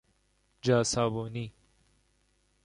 جا صابونی